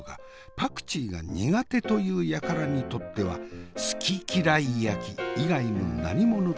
パクチーが苦手というやからにとってはスキキライ焼き以外の何物でもない。